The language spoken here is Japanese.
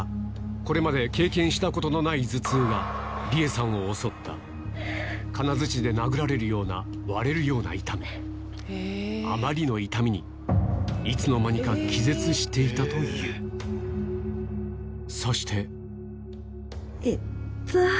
これまで経験したことのない頭痛が理恵さんを襲った金づちで殴られるような割れるような痛みあまりの痛みにいつの間にかしていたというそして痛。